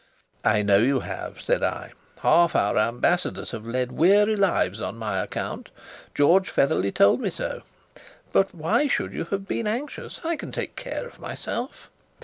"I know you have," said I. "Half our ambassadors have led weary lives on my account. George Featherly told me so. But why should you have been anxious? I can take care of myself."